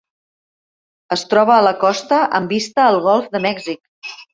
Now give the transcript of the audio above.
Es troba a la costa amb vista al Golf de Mèxic.